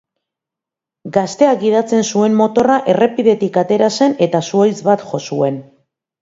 Gazteak gidatzen zuen motorra errepidetik atera zen eta zuhaitz bat jo zuen.